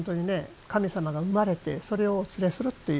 神様が生まれてそれをお連れするという。